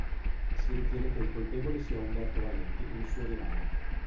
Si ritiene che il colpevole sia Umberto Valenti, un suo rivale.